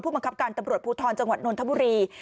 บังคับการตำรวจภูทรจังหวัดนนทบุรี